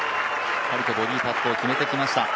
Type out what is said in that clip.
しっかりとボギーパットを決めてきました。